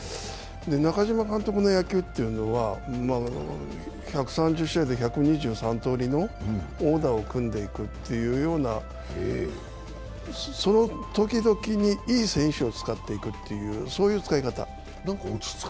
中嶋監督の野球っていうのは１３０試合でいろんな通りのオーダーを組んでいくというような、その時々にいい選手を使っていくという使い方。